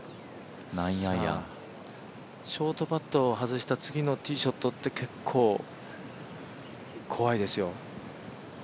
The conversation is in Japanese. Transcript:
ショートパットを外した次のティーショットって結構怖いですよ。